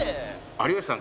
有吉さん